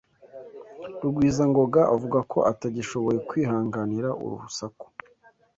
Rugwizangoga avuga ko atagishoboye kwihanganira uru rusaku.